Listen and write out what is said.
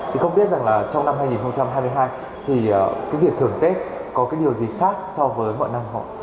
thì không biết rằng là trong năm hai nghìn hai mươi hai thì cái việc thưởng tết có cái điều gì khác so với mọi năm họ